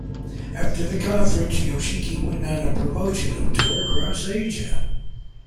After the conference Yoshiki went on a promotional tour across Asia.